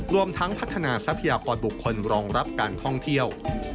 รวมทั้งพัฒนาทรัพยากรบุคคลรองรับการท่องเที่ยว